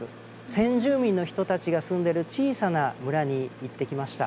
先住民の人たちが住んでる小さな村に行ってきました。